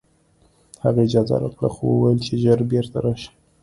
هغه اجازه راکړه خو وویل چې ژر بېرته راشه